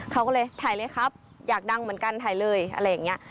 เขาก็เลยถ่ายเลยครับอยากดังเหมือนกันถ่ายเลยอะไรอย่างนี้